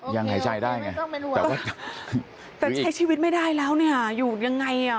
ยังหายใจได้ไงแต่ใช้ชีวิตไม่ได้แล้วอยู่อย่างไร